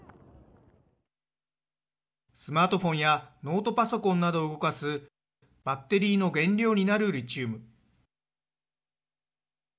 スマートフォンやノートパソコンなどを動かすバッテリーの原料になるリチウム。